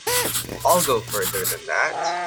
I'll go further than that.